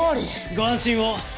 ご安心を。